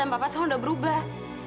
dan papa sekarang udah berubah